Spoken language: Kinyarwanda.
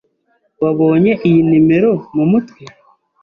Wabonye iyi numero mu mutwe?